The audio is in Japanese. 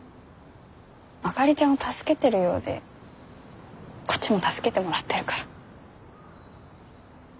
あかりちゃんを助けてるようでこっちも助けてもらってるから。